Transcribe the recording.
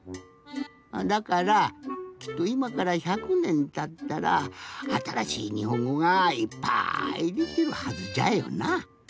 だからきっといまから１００ねんたったらあたらしいにほんごがいっぱいできるはずじゃよな。